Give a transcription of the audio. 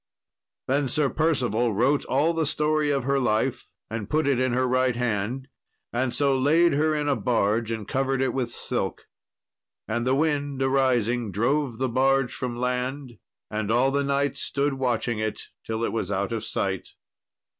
Then Sir Percival wrote all the story of her life and put it in her right hand, and so laid her in a barge and covered it with silk. And the wind arising drove the barge from land, and all the knights stood watching it till it was out of sight.